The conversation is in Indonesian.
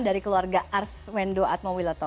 dari keluarga arswendo atmowiloto